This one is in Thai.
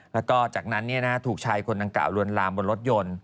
แล้วก็จากนั้นถูกชายคนดังกล่าวลวนลามบนรถยนต์